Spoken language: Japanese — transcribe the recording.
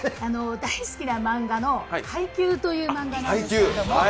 大好きな漫画の「ハイキュー！！」という漫画です。